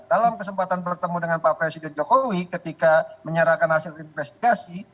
dalam kesempatan bertemu dengan pak presiden jokowi ketika menyerahkan hasil investigasi